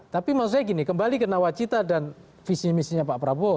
tapi maksud saya gini kembali ke nawacita dan visi misinya pak prabowo